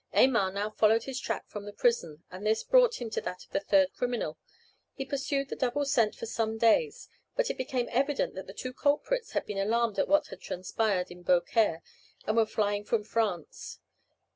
Aymar now followed his track from the prison, and this brought him to that of the third criminal. He pursued the double scent for some days. But it became evident that the two culprits had been alarmed at what had transpired in Beaucaire, and were flying from France.